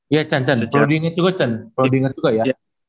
ya can prodinget juga ya